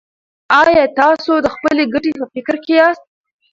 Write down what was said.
ایا تاسو د خپلې ګټې په فکر کې یاست.